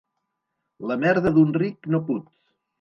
La merda d'un ric no put.